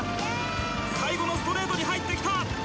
最後のストレートに入ってきた。